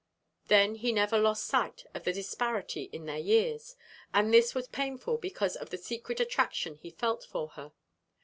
Then he never lost sight of the disparity in their years; and this was painful because of the secret attraction he felt for her.